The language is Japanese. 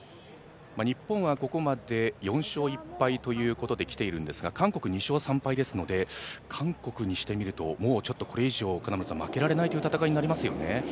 日本はここまで４勝１敗ということで来ているんですが韓国、２勝３敗ですので、韓国にしてみるともうこれ以上負けられないという戦いになりますよね。